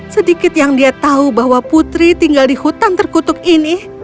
sedikit yang dia tahu bahwa putri tinggal di hutan terkutuk ini